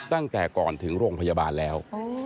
ตั้งแต่ก่อนถึงโรงพยาบาลแล้ว